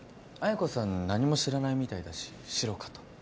綾子さん何も知らないみたいだしシロかと。